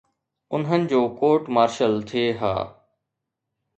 انهن جو court martial ٿئي ها.